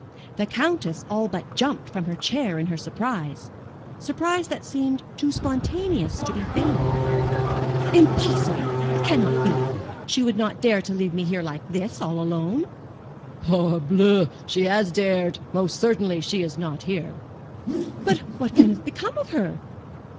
The Countess all but jumped from her chair in her surprise surprise that seemed too spontaneous to be feigned. "Impossible! it cannot be. She would not dare to leave me here like this, all alone." "Parbleu! she has dared. Most certainly she is not here." "But what can have become of her?"